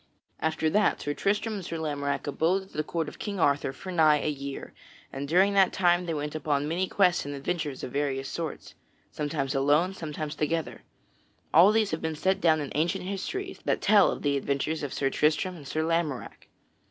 After that Sir Tristram and Sir Lamorack abode at the court of King Arthur for nigh a year, and during that time they went upon many quests and adventures of various sorts sometimes alone, sometimes together. All these have been set down in ancient histories that tell of the adventures of Sir Tristram and Sir Lamorack.